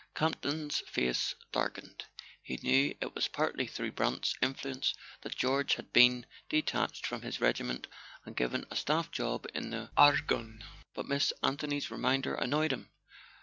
Campton's face darkened. He knew it was partly through Brant's influence that George had been de¬ tached from his regiment and given a staff job in the Argonne; but Miss Anthony's reminder annoyed him.